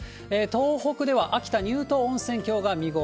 東北では秋田・乳頭温泉郷が見頃。